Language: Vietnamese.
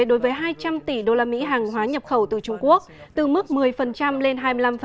đối với hai trăm linh tỷ đô la mỹ hàng hóa nhập khẩu từ trung quốc từ mức một mươi lên hai mươi năm